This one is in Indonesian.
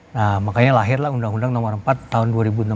nah makanya lahirlah undang undang nomor empat tahun dua ribu enam belas